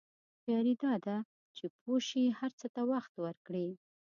هوښیاري دا ده چې پوه شې هر څه ته وخت ورکړې.